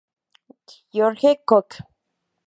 George Cooke.